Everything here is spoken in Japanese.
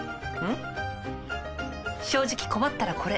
正直困ったらこれ。